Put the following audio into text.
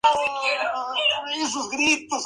Blanco: el ancestro de nuestro pueblo.